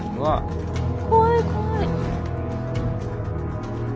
怖い怖い。